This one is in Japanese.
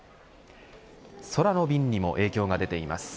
空の便にも影響が出ています。